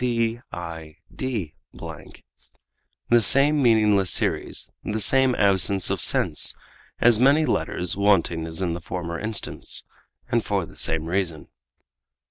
cid._ the same meaningless series, the same absence of sense, as many letters wanting as in the former instance, and for the same reason.